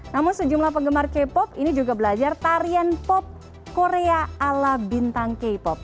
namun sejumlah penggemar k pop ini juga belajar tarian pop korea ala bintang k pop